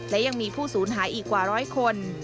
และยังมีผู้สูญหายอีกกว่าร้อยคน